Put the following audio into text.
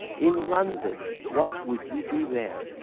In London! what would you do there?